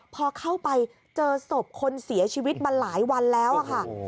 พอเข้าไปเจอศพคนเสียชีวิตมาหลายวันแล้วค่ะ